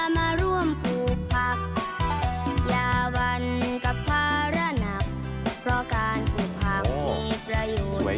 มากันทัดหน้าน้องยามาร่วมปลูกผัก